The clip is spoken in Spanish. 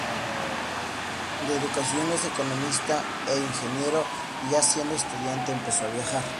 De educación es economista e ingeniero y ya siendo estudiante empezó a viajar.